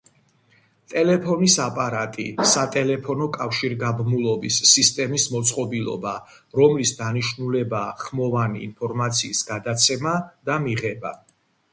ტელეფონის აპარატი, სატელეფონო კავშირგაბმულობის სისტემის მოწყობილობა, რომლის დანიშნულებაა ხმოვანი ინფორმაციის გადაცემა და მიღება.